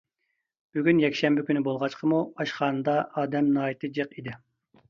بۈگۈن يەكشەنبە كۈنى بولغاچقىمۇ ئاشخانىدا ئادەم ناھايىتى جىق ئىدى.